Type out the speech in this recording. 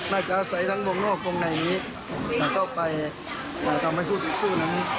น่าจะอาศัยทั้งวงนอกวงในนี้ถ้าเข้าไปทำให้คู่สู้สู้นั้น